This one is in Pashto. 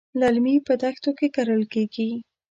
للمي په دښتو کې کرل کېږي.